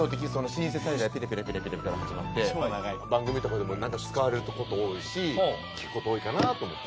シンセサイザー「テレテレテレテレ」から始まって番組とかでもなんか使われる事多いし聴く事多いかなと思って。